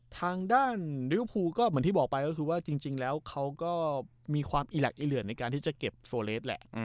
ทางด้านริวภูก็เหมือนที่บอกไปก็คือว่าจริงแล้วเขาก็มีความอีหลักอีเหลือนในการที่จะเก็บโซเลสแหละ